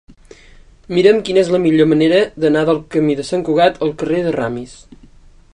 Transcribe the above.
Mira'm quina és la millor manera d'anar del camí de Sant Cugat al carrer de Ramis.